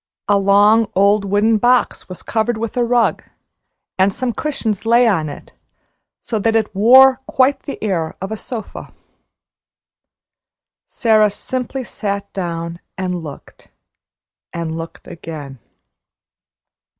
A long, old wooden box was covered with a rug, and some cushions lay on it, so that it wore quite the air of a sofa. Sara simply sat down, and looked, and looked again.